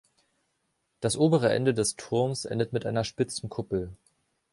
Das obere Ende des Turms endet mit einer spitzen Kuppel.